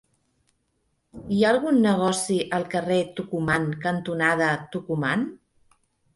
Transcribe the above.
Hi ha algun negoci al carrer Tucumán cantonada Tucumán?